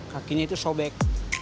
kakinya itu sobek